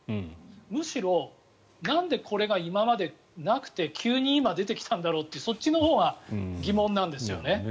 むしろ、なんでこれが今までなくて急に今出てきたんだろうとそっちのほうが疑問なんですよね。